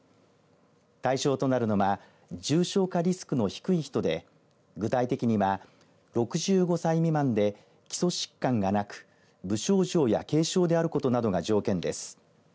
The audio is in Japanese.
対象となるのは重症化リスクの低い人で具体的には６５歳未満で基礎疾患がなく無症状や軽症であることなどが条件です。